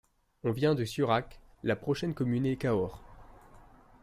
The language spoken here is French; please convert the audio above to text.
On vient de Cieurac, la prochaine commune est Cahors.